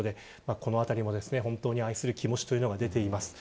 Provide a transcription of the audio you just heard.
このあたりも愛する気持ちが出ています。